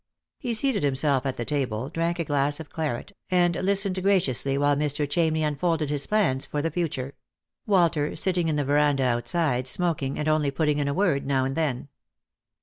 He seated himself at the table, drank a glass of claret, and listened graciously while Mr. Chamney unfolded his plans for the future ; Walter sitting in the verandah outside, smoking, and only putting in a word now and then.